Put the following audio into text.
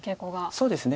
そうですね。